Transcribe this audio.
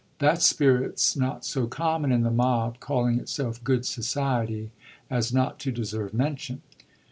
That spirit's not so common in the mob calling itself good society as not to deserve mention."